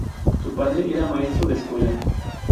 Su padre era maestro de escuela.